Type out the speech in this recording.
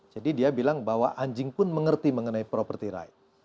jadi dia bilang bahwa anjing pun mengerti mengenai property rights